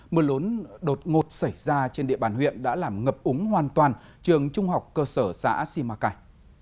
mưa lớn đột ngột xảy ra trên địa bàn huyện đã làm ngập úng hoàn toàn trường trung học cơ sở xã simacai